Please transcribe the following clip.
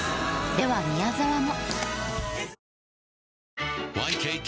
では宮沢も。